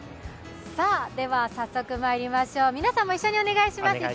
では早速まいりましょう、皆さんも一緒にお願いします。